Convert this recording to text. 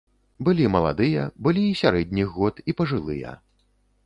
Былі маладыя, былі і сярэдніх год, і пажылыя.